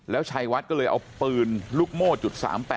แล้วต้องถามชัยวัดนะฮะก็เลยเอาปืนลูกโม้จุด๓๘